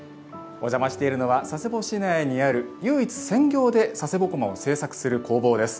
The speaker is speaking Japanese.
お邪魔しているのは佐世保市内にある唯一専業で佐世保独楽を製作する工房です。